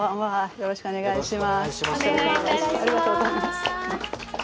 よろしくお願いします。